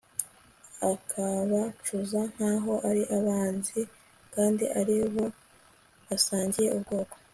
akabacuza nk'aho ari abanzi kandi ari abo basangiye ubwoko